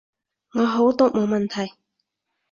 我口讀冇問題